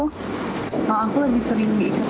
kalau aku lebih sering